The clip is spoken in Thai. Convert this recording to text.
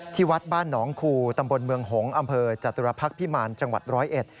วัดบ้านหนองคูตำบลเมืองหงษ์อำเภอจตุรพักษ์พิมารจังหวัดร้อยเอ็ด